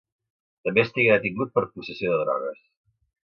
També estigué detingut per possessió de drogues.